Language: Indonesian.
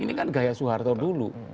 ini kan gaya soeharto dulu